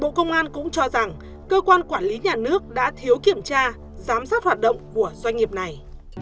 bộ công an cũng cho rằng cơ quan quản lý nhà nước đã thiếu kiểm tra giám sát hoạt động của doanh nghiệp này